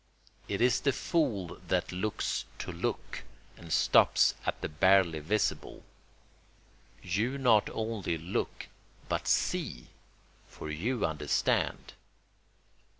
It is the fool that looks to look and stops at the barely visible: you not only look but see; for you understand.